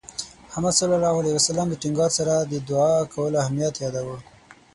محمد صلى الله عليه وسلم د ټینګار سره د دُعا کولو اهمیت یاداوه.